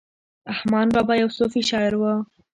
رحمان بابا يو صوفي شاعر وو.